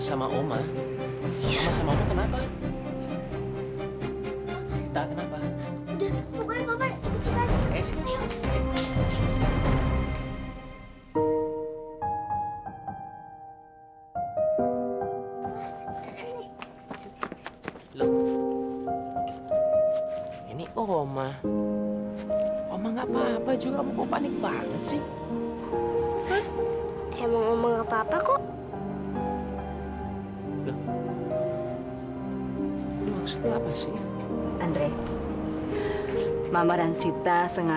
sampai jumpa di video selanjutnya